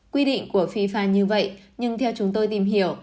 quy định của fifa như vậy nhưng theo chúng tôi tìm hiểu